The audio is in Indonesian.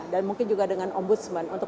dan mungkin juga dengan ombudsman untuk